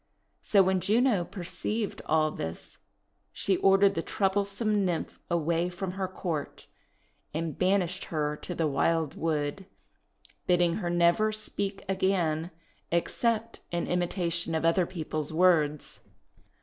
So when Juno perceived all this, she ordered the ECHO AND NARCISSUS 17 troublesome Nymph away from her court, and banished her to the wildwood, bidding her never speak again except in imitation of other peoples' words.